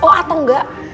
oh atau enggak